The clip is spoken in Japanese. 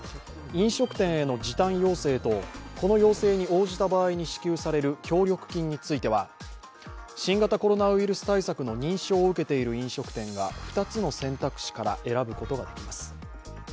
飲食店への時短要請と、この時短に応じた場合に支給される協力金については、新型コロナウイルス対策の認証を受けている飲食店が２つの選択肢から選ぶことができます。